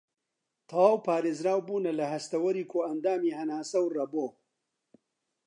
تەواو پارێزراوبوونە لە هەستەوەری کۆئەندامی هەناسە و رەبۆ